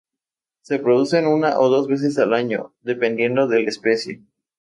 Se reproducen una o dos veces al año, dependiendo de la especie.